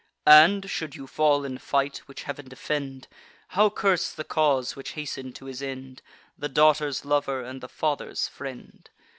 And, should you fall in fight, (which Heav'n defend!) How curse the cause which hasten'd to his end The daughter's lover and the father's friend?